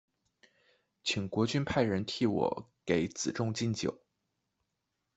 请国君派人替我给子重进酒。